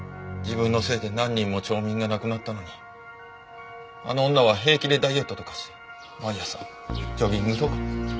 自分のせいで何人も町民が亡くなったのにあの女は平気でダイエットとかして毎朝ジョギングとか。